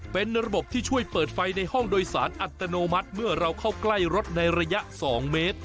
เป็นระบบที่ช่วยเปิดไฟในห้องโดยสารอัตโนมัติเมื่อเราเข้าใกล้รถในระยะ๒เมตร